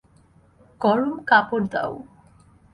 গরম কাপড় দাও।